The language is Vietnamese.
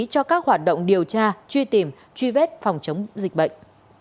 cho các hoạt động điều tra truy tìm truy vết phòng chống dịch bệnh